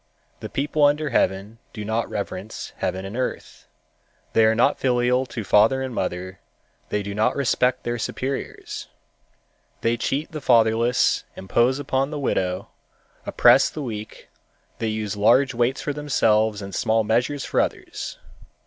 The people under heaven do not reverence Heaven and Earth, they are not filial to father and mother, they do not respect their superiors. They cheat the fatherless, impose upon the widow, oppress the weak; they use large weights for themselves and small measures for others.